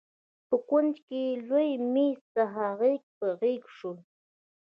په کونج کې له لوی مېز څخه غېږ په غېږ شول.